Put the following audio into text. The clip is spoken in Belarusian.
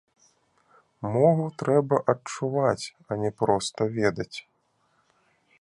Мову трэба адчуваць, а не проста ведаць.